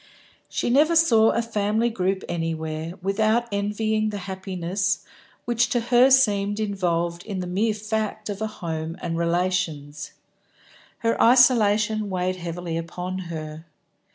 She never saw a family group anywhere without envying the happiness which to her seemed involved in the mere fact of a home and relations. Her isolation weighed heavily upon her.